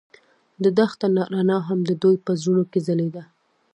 د دښته رڼا هم د دوی په زړونو کې ځلېده.